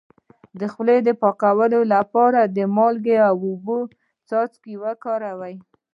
د خولې د پاکوالي لپاره د مالګې او اوبو څاڅکي وکاروئ